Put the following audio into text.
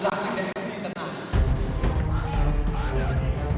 tidak mungkin prabowo